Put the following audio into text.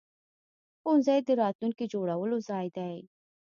ښوونځی د راتلونکي جوړولو ځای دی.